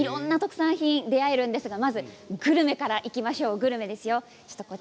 いろいろな特産品に出会えるんですが、まずはグルメからいきましょう。